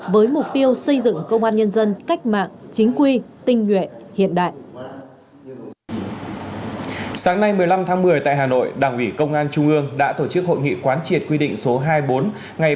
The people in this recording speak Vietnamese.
với mục tiêu xây dựng công an nhân dân cách mạng chính quy tinh nguyện hiện đại